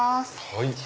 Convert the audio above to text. はい。